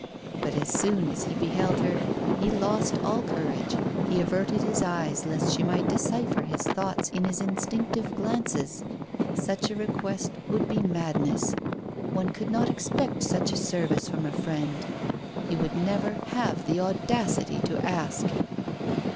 But as soon as he beheld her, he lost all courage, he averted his eyes, lest she might decipher his thoughts in his instinctive glances. Such a request would be madness. One could not expect such a service from a friend; he would never have the audacity to ask.